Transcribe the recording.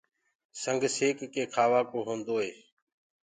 سنگ سيڪ ڪي کآوآڪو هوندوئي